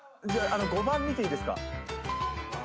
じゃあ５番見ていいですか？